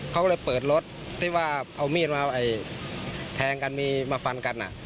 เขาก็เลยเปิดรถที่ว่าเอามีดมาแทงกันมีมาฟันกัน